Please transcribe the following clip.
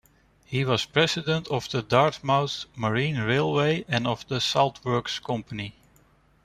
He was president of the Dartmouth Marine Railway and of the Salt Works Company.